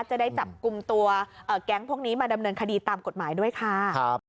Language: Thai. จะได้จับกลุ่มตัวแก๊งพวกนี้มาดำเนินคดีตามกฎหมายด้วยค่ะ